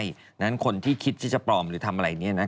ดังนั้นคนที่คิดที่จะปลอมหรือทำอะไรอย่างนี้